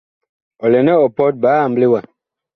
Ɔ lɛ nɛ ɔ pɔt biig amble wa.